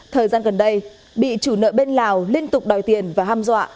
thời gian gần đây bị chủ nợ bên lào liên tục đòi tiền và ham dọa